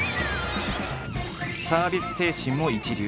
サービス精神も一流。